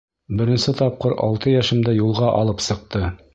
Беренсе тапҡыр алты йәшемдә юлға алып сыҡты.